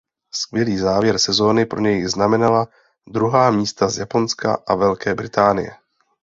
Skvělý závěr sezony pro něj znamenala druhá místa z Japonska a Velké Británie.